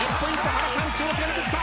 原さん調子が出てきた。